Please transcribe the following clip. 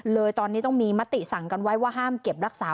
เลยตอนนี้ต้องมีมติสั่งกันไว้ว่าห้ามเก็บรักษา